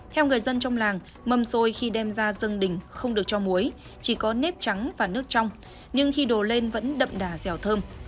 theo người dân trong làng mâm xôi khi đem ra dân đình không được cho muối chỉ có nếp trắng và nước trong nhưng khi đồ lên vẫn đậm đà dẻo thơm